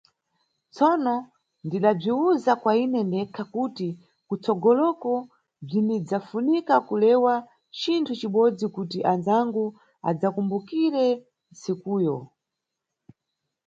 Tsono, ndidabziwuza kwa ine ndekha kuti kutsogoloko bzinidzafunika kulewa cinthu cibodzi kuti andzangu adzakumbukire ntsikuyo.